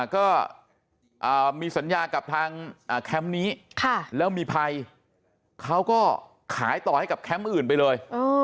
ก็มีสัญญากับทางแคมป์นี้แล้วมีภัยเขาก็ขายต่อให้กับแคมป์อื่นไปเลย